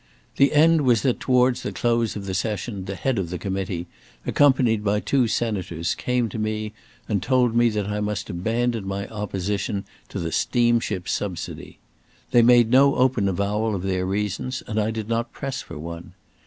The end was that towards the close of the session the head of the committee, accompanied by two senators, came to me and told me that I must abandon my opposition to the Steamship Subsidy. They made no open avowal of their reasons, and I did not press for one.